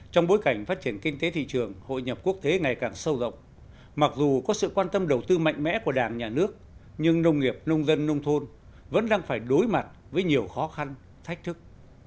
trong bối cảnh phát triển kinh tế thị trường hội nhập quốc tế ngày càng sâu rộng mặc dù có sự quan tâm đầu tư mạnh mẽ của đảng nhà nước nhưng nông nghiệp nông dân nông thôn vẫn đang phải đối mặt với nhiều khó khăn thách thức